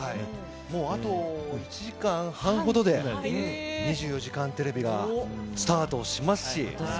もうあと１時間半ほどで、２４時間テレビがスタートしますし。